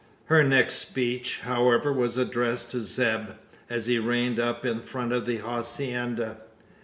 Her next speech, however, was addressed to Zeb, as he reined up in front of the hacienda.